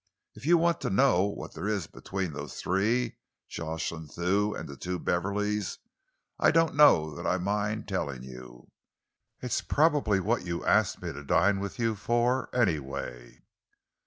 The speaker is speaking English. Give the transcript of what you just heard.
If you want to know what there is between those three, Jocelyn Thew and the two Beverleys, I don't know that I mind telling you. It's probably what you asked me to dine with you for, anyway."